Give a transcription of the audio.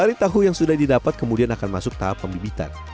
sari tahu yang sudah didapat kemudian akan masuk tahap pembibitan